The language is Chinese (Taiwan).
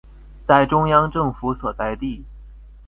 在中央政府所在地